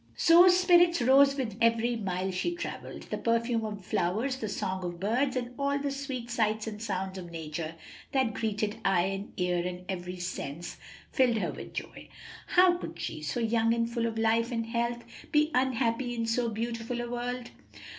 Zoe's spirits rose with every mile she travelled, the perfume of flowers, the songs of birds, and all the sweet sights and sounds of nature that greeted eye, and ear, and every sense, filled her with joy. How could she, so young and full of life and health, be unhappy in so beautiful a world?